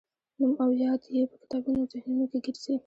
نوم او یاد یې په کتابونو او ذهنونو کې ګرځي.